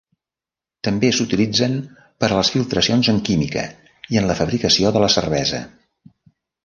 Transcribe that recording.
També s'utilitzen per a les filtracions en química i en la fabricació de la cervesa.